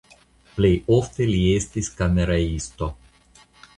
Plej ofte li estis kameraisto.